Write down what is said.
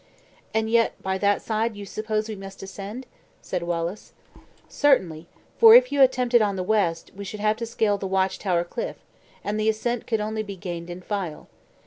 "And yet by that side you suppose we must ascend?" said Wallace. "Certainly; for if you attempt it on the west, we should have to scale the watch tower cliff, and the ascent could only be gained in file.